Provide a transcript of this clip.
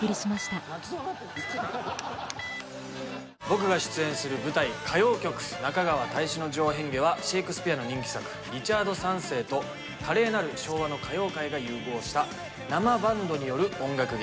僕が出演する舞台「歌妖曲中川大志之丞変化」はシェイクスピアの人気作「リチャード三世」と華麗なる昭和の歌謡界が融合した生バンドによる音楽劇です。